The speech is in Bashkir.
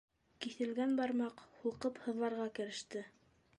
Киҫелгән бармаҡ һулҡып һыҙларға кереште.